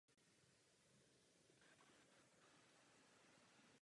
Pro výpočet kontrolního součtu se používají různé metody.